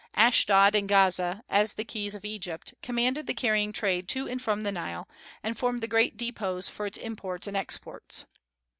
Ashdod and Gaza, as the keys of Egypt, commanded the carrying trade to and from the Nile, and formed the great depots for its imports and exports.